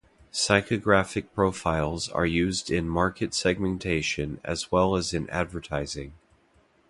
Psychographic profiles are used in market segmentation as well as in advertising.